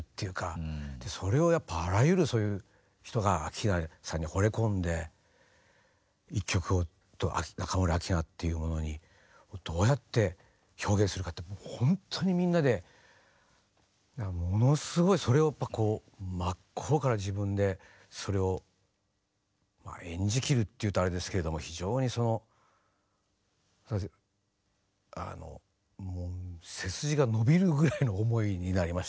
それをやっぱあらゆるそういう人が明菜さんにほれ込んで一曲を中森明菜っていうものにどうやって表現するかって本当にみんなでものすごいそれをやっぱこう真っ向から自分でそれをまあ演じきるって言うとあれですけれども非常にそのあのもう背筋が伸びるぐらいの思いになりました。